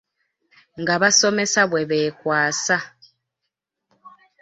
Ng’abasomesa bwe beekwasa.